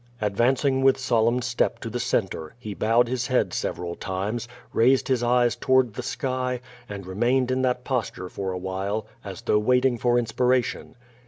Advancing with solemn step to the centre, he bowed his head several times, raised his eyes toward the sky, and reinained in that posture for a while, as though waiting for inspiration.